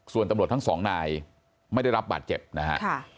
ส่วนตำรวจทั้งสองนายไม่ได้รับบาดเจ็บนะฮะ